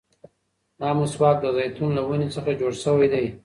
دا مسواک د زيتون له ونې څخه جوړ شوی دی.